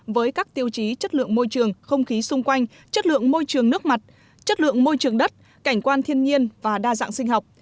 với các tiêu chí chất lượng môi trường không khí xung quanh chất lượng môi trường nước mặt chất lượng môi trường đất cảnh quan thiên nhiên và đa dạng sinh học